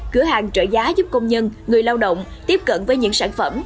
cửa hàng trợ giá giúp công nhân người lao động tiếp cận với những sản phẩm